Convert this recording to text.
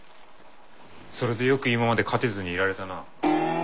それでよく今まで勝てずにいられたな。